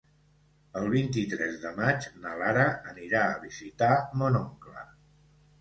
El vint-i-tres de maig na Lara anirà a visitar mon oncle.